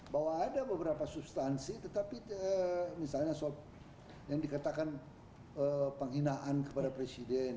bahwa ada beberapa substansi tetapi misalnya soal yang dikatakan penghinaan kepada presiden